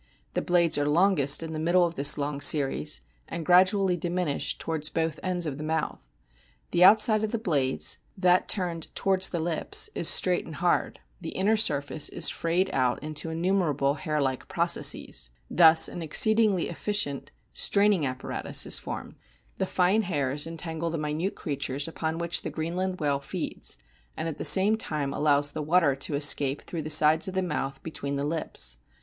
The blades are longest in the middle of this long series, and gradually diminish towards both ends of the mouth. The outside of the blades, that turned towards the lips, is straight and hard ; the inner side is frayed out into innumerable hair like processes. Thus an exceedingly efficient straining 84 A BOOK OF WHALES apparatus is formed. The fine hairs entangle the minute creatures upon which the Greenland whale feeds, and at the same time allows the water to escape through the sides of the mouth between the lips.